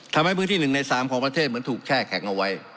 ทำให้พื้นที่๑ใน๓ของประเทศเหมือนถูกแช่แข็งเอาไว้